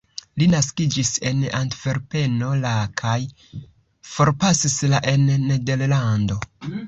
Li naskiĝis en Antverpeno la kaj forpasis la en Nederlando.